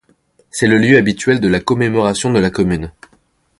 C'est le lieu habituel de la commémoration de la Commune.